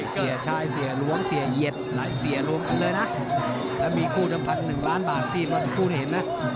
เสียชายเสียหลวงเสียเหย็ดหลายเสียหลวงกันเลยนะแล้วมีคู่น้ำพัน๑ล้านบาทที่มาสักคู่นี้เห็นนะ